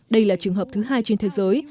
đây là trường hợp thứ hai trên thế giới